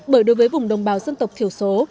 bởi đối với vùng đồng bào dân tộc thiểu số